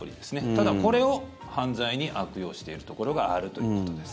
ただ、これを犯罪に悪用しているところがあるということです。